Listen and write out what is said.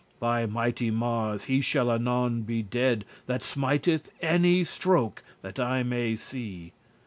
By mighty Mars, he shall anon be dead That smiteth any stroke, that I may see!